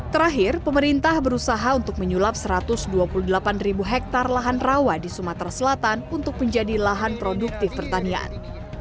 terakhir pemerintah berusaha untuk menyulap satu ratus dua puluh delapan ribu hektare lahan rawa di sumatera selatan untuk menjadi lahan produktif pertanian